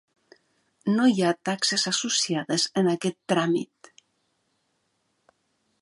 No hi ha taxes associades en aquest tràmit.